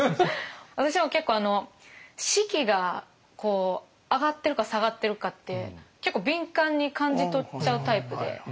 私も結構士気が上がってるか下がってるかって結構敏感に感じ取っちゃうタイプで。